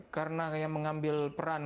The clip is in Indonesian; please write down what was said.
karena kayak mengambil peran